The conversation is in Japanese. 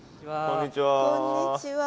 こんにちは。